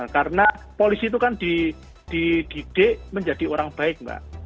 karena polisi itu kan dididik menjadi orang baik mbak